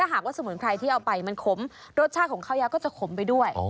หากว่าสมุนไพรที่เอาไปมันขมรสชาติของข้าวยักก็จะขมไปด้วย